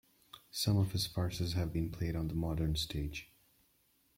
Some of his farces have been played on the modern stage.